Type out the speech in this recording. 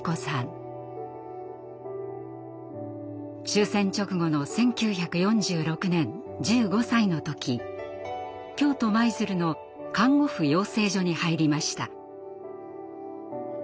終戦直後の１９４６年１５歳の時京都・舞鶴の看護婦養成所に入りました。